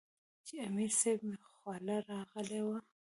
چې امير صېب مې خواله راغلے وۀ -